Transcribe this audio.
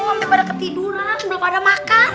sampai pada ketiduran belum ada makan